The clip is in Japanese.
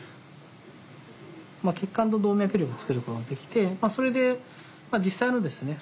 血管の動脈瘤を作ることができてそれで実際のですね